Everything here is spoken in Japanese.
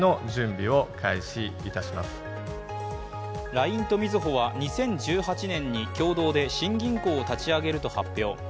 ＬＩＮＥとみずほは２０１８年に共同で新銀行を立ち上げると発表。